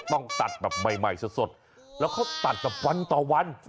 ต้องตัดแบบใหม่สดแล้วเขาตัดแบบวันต่อวัน